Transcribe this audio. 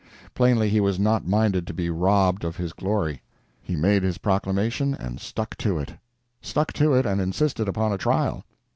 Plainly he was not minded to be robbed of his glory. He made his proclamation, and stuck to it. Stuck to it, and insisted upon a trial.